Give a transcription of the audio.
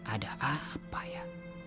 ada apa ya